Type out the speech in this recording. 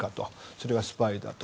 それはスパイだと。